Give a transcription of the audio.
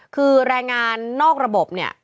คือแรงงานนอกระบบเนี่ย